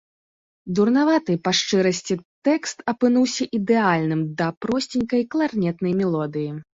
Дурнаваты, па шчырасці, тэкст апынуўся ідэальным да просценькай кларнетнай мелодыі.